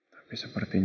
jadi ini yang pasti euang